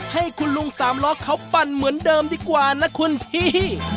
ให้คุณลุงสามล้อเขาปั่นเหมือนเดิมดีกว่านะคุณพี่